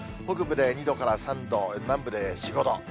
北部で２度から３度、南部で４、５度。